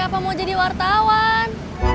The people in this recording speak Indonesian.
apa mau jadi wartawan